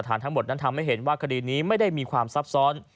ทั้งหมดนั้นทำให้เห็นว่าคดีนี้ไม่ได้มีความซับซ้อน